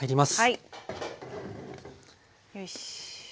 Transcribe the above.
よし。